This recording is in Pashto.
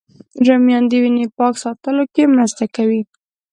رومیان د وینې پاک ساتلو کې مرسته کوي